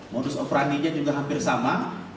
modus operandinya juga hampir sama